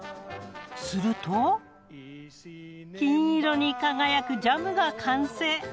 すると金色に輝くジャムが完成。